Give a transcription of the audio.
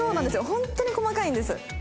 ホントに細かいんです。